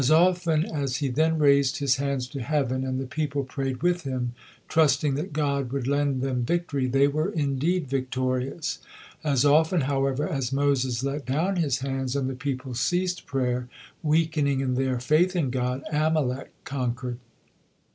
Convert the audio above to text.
As often as he then raised his hands to heaven and the people prayed with him, trusting that God would lend them victory, they were indeed victorious; as often, however, as Moses let down his hands and the people ceased prayer, weakening in their faith in God, Amalek conquered.